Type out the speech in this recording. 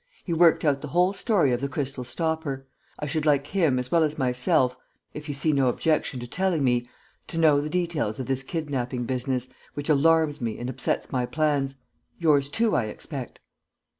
He worked out the whole story of the crystal stopper. I should like him, as well as myself if you see no objection to telling me to know the details of this kidnapping business, which alarms me and upsets my plans; yours too, I expect?"